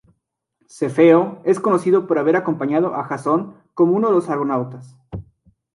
Cefeo es conocido por haber acompañado a Jasón como uno de los Argonautas.